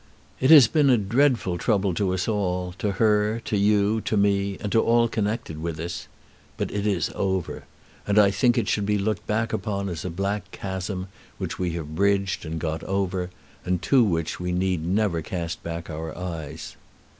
It has been a dreadful trouble to us all, to her, to you, to me, and to all connected with us. But it is over, and I think that it should be looked back upon as a black chasm which we have bridged and got over, and to which we need never cast back our eyes.